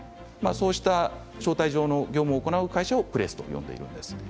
そうした招待状の業務を行う会社をプレスと呼んでいます。